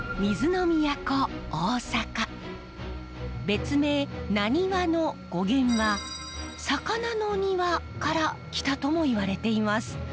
別名なにわの語源は魚の庭から来たとも言われています。